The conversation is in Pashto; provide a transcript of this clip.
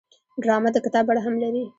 ډرامه د کتاب بڼه هم لري